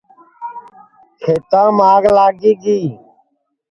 کھیتام آگ لگی گی